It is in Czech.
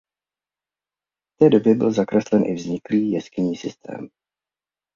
V té době byl zakreslen i vzniklý jeskynní systém.